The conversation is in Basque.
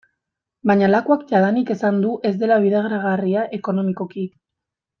Baina Lakuak jadanik esan du ez dela bideragarria ekonomikoki.